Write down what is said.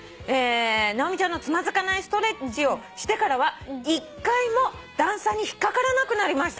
「直美ちゃんのつまずかないストレッチをしてからは一回も段差に引っ掛からなくなりました」